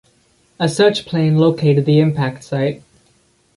A search plane located the impact site.